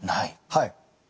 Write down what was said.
はい。